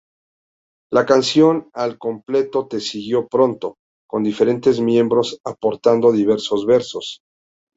La canción al completo le siguió pronto, con diferentes miembros aportando diversos versos.